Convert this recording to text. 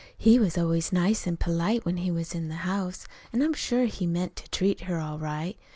He was always nice an' polite, when he was in the house, an' I'm sure he meant to treat her all right.